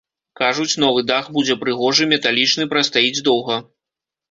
Кажуць, новы дах будзе прыгожы, металічны, прастаіць доўга.